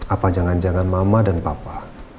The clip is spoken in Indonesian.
apa jangan jangan mama dan papa